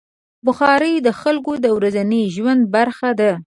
بخاري د خلکو د ورځني ژوند برخه ده.